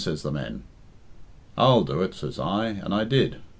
says the men. I'll do it,' says I, and I did.